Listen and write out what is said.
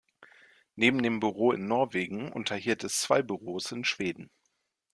Neben dem Büro in Norwegen unterhielt es zwei Büros in Schweden.